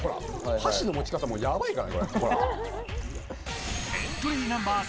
箸の持ち方もやばいからね。